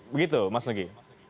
begitu mas nugi